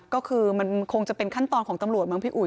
ก็คือมันคงจะเป็นขั้นตอนของตำรวจมั้พี่อุ๋